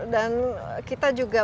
dan kita juga